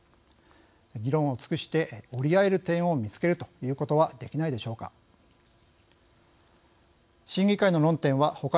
議論を尽くして折り合える点を見つけるということはできないでしょうか。